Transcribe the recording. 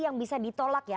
yang bisa ditolak ya